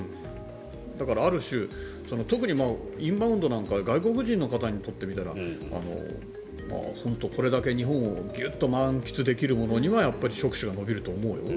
だからある種特にインバウンドなんかの外国人の方にとって見たら本当、これだけ日本をギュッと満喫できるものには食指が伸びると思うよ。